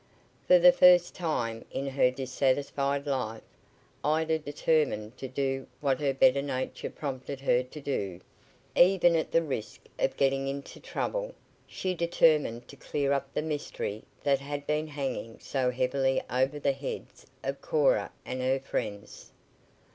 For the first time in her dissatisfied life Ida determined to do what her better nature prompted her to do, even at the risk of getting into trouble. She determined to clear up the mystery that had been hanging so heavily over the heads of Cora and her friends.